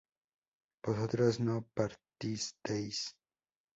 vosotras no partisteis